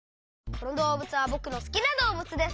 このどうぶつはぼくのすきなどうぶつです。